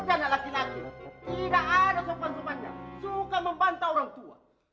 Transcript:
tidak ada sopan sopannya suka membantah orang tua